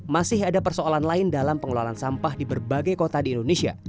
masih ada persoalan lain dalam pengelolaan sampah di berbagai kota di indonesia